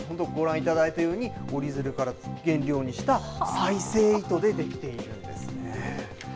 ご覧いただいたように折り鶴を原料にした再生糸でできているんです。